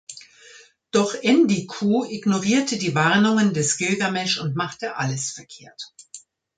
Doch Enkidu ignorierte die Warnungen des Gilgamesch und machte alles verkehrt.